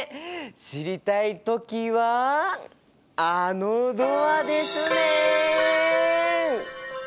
知りたい時はあのドアですね！